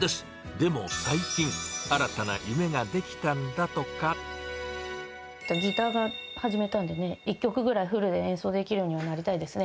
でも最近、ギターが始めたんでね、１曲ぐらいフルで演奏できるようにはなりたいですね。